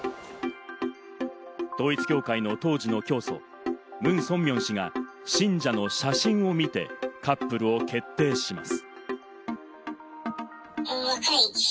統一教会の当時の教祖、ムン・ソンミョン氏が信者の写真を見て、カップルを決定します。